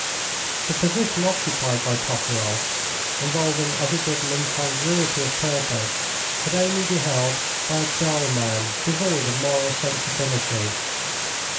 The position occupied by Toporoff, involving as it did an incongruity of purpose, could only be held by a dull man devoid of moral sensibility.